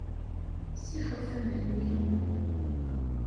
Sixef a Mhenni.